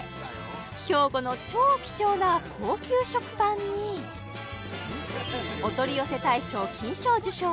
兵庫の超貴重な高級食パンにお取り寄せ大賞金賞受賞